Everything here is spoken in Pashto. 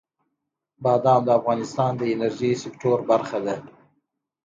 بادام د افغانستان د انرژۍ سکتور برخه ده.